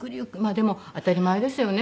でも当たり前ですよね